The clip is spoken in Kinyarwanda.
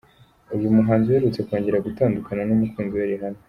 Uyu muhanzi uherutse kongera gutandukana numukunzi we Rihanna.